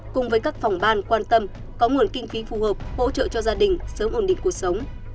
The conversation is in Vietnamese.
cùng với các phòng ban quan tâm có nguồn kinh phí phù hợp hỗ trợ cho gia đình sớm ổn định cuộc sống